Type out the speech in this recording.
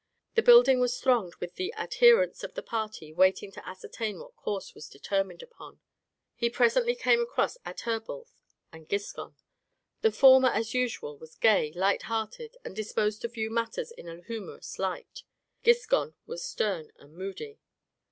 The building was thronged with the adherents of the party waiting to ascertain what course was determined upon. He presently came across Adherbal and Giscon. The former, as usual, was gay, light hearted, and disposed to view matters in a humorous light; Giscon was stern and moody.